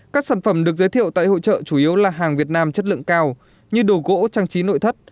các sản phẩm được giới thiệu tại hội trợ chủ yếu là hàng việt nam chất lượng cao như đồ gỗ trang trí nội thất